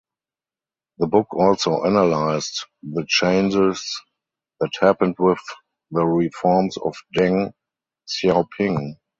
The book also analyzed the changes that happened with the reforms of Deng Xiaoping.